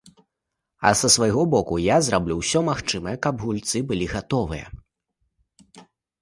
А са свайго боку я зраблю ўсё магчымае, каб гульцы былі гатовыя.